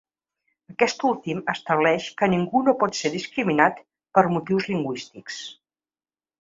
Aquest últim estableix que ningú no pot ser discriminat per motius lingüístics.